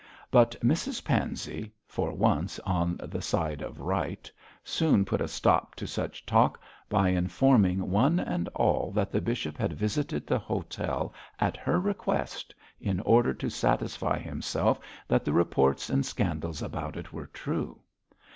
But Mrs Pansey, for once on the side of right, soon put a stop to such talk by informing one and all that the bishop had visited the hotel at her request in order to satisfy himself that the reports and scandals about it were true.